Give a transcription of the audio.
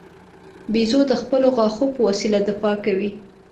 بیزو د خپلو غاښو په وسیله دفاع کوي.